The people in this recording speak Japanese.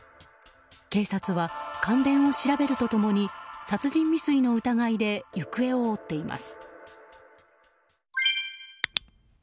警察は関連を調べると共に殺人未遂の疑いで行方を追っています。